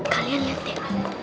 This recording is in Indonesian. kalian lihat deh